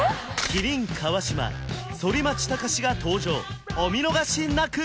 麒麟川島反町隆史が登場お見逃しなく！